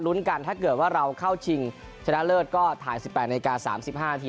ลุ้นกันถ้าเกิดว่าเราเข้าชิงชนะเลิศก็ถ่ายสิบแปดนาทีสามสิบห้านาที